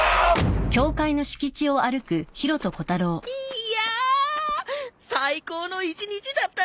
いやぁ最高の一日だったな！